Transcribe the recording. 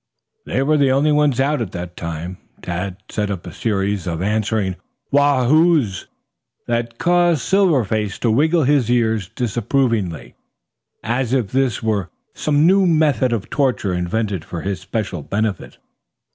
They were the only ones out at that time. Tad set up a series of answering "woos hoos" that caused Silver Face to wiggle his ears disapprovingly, as if this were some new method of torture invented for his special benefit.